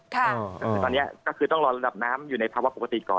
แต่ตอนนี้ก็คือต้องรอระดับน้ำอยู่ในภาวะปกติก่อน